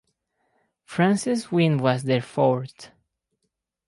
France's win was their fourth.